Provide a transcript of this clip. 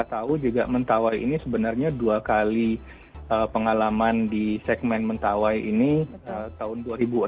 kita tahu juga mentawai ini sebenarnya dua kali pengalaman di segmen mentawai ini tahun dua ribu an